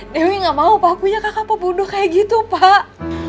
dewi gak mau pakunya kakak pembunuh kayak gitu pak